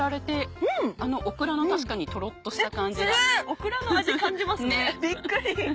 オクラの味感じますねビックリ！